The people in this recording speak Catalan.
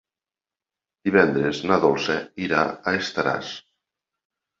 Divendres na Dolça irà a Estaràs.